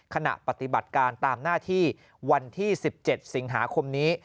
ขณะปฏิบัติการตามหน้าที่วันที่๑๗สิงหาคมนี้